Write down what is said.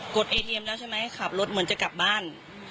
ดเอเทียมแล้วใช่ไหมขับรถเหมือนจะกลับบ้าน